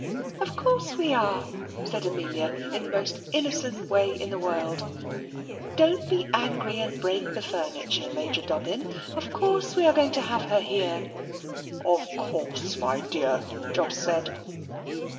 "Of course we are," said Amelia in the most innocent way in the world. "Don't be angry and break the furniture, Major Dobbin. Of course we are going to have her here." "Of course, my dear," Jos said.